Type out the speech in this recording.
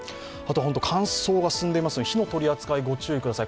乾燥が進んでいますので、火の取扱いに気をつけてください。